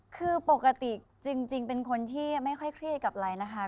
คือปกติจริงเป็นคนที่ไม่ค่อยเครียดกับอะไรนะคะ